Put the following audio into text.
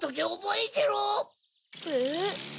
えっ？